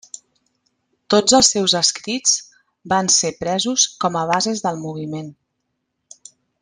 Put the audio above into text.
Tots els seus escrits van ser presos com a bases del moviment.